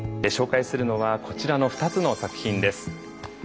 紹介するのはこちらの２つの作品です。